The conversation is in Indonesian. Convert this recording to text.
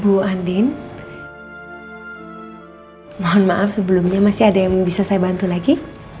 bu andin mohon maaf sebelumnya masih ada yang bisa saya bantu lagi